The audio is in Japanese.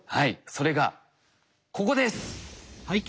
それがここです。